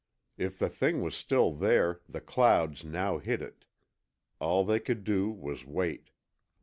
If the thing was still there, the clouds now hid it. All they could do was wait.